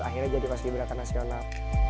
akhirnya jadi paskibraka nasional